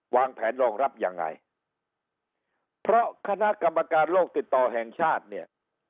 วางแผนรองรับยังไงเพราะคณะกรรมการโลกติดต่อแห่งชาติเนี่ย